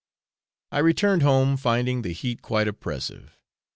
I returned home, finding the heat quite oppressive.